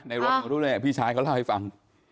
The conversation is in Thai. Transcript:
ในรถของทุกพี่ชายเขาเล่าให้ฟัง